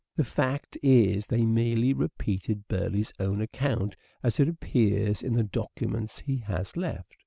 The fact is they merely repeat Burieigh's own account as it appears in the documents he has left.